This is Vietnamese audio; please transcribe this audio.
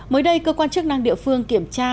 mới đây cơ quan chức năng địa phương kiểm tra